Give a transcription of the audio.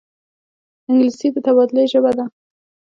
انګلیسي د تبادلې ژبه ده